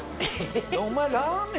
「お前ラーメン